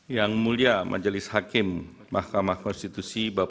yang mulia majelis hakim mahkamah konstitusi